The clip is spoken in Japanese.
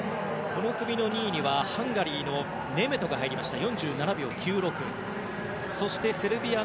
この組の２位にはハンガリーのネメトが入りました。